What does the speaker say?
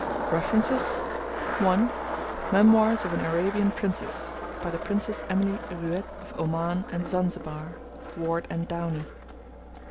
(1) Memoirs of an Arabian Princess. By the Princess Emily Ruete of Oman and Zanzibar. (Ward and Downey.)